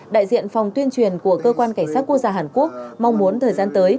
đại diện phòng tuyên truyền của cơ quan cảnh sát quốc gia hàn quốc mong muốn thời gian tới